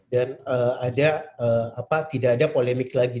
tidak ada polemik lagi